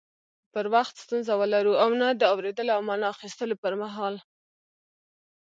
پر وخت ستونزه ولرو او نه د اوريدلو او معنی اخستلو پر مهال